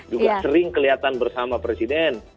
juga sering kelihatan bersama presiden